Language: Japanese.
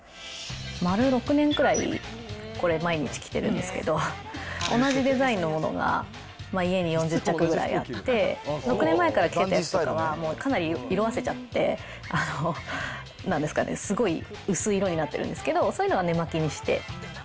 丸６年くらい、これ、毎日着てるんですけど、同じデザインのものが家に４０着ぐらいあって、６年前から着てたやつとかはかなり色あせちゃって、なんですかね、すごい薄い色になってるんですけど、そういうのは寝巻きにして。